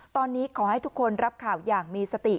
ตอนนี้ขอให้ทุกคนรับข่าวอย่างมีสติ